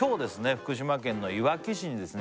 福島県のいわき市にですね